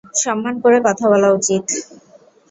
সম্মান করে কথা বলা উচিত।